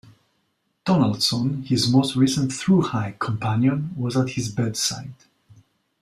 Donaldson, his most recent through-hike companion, was at his bedside.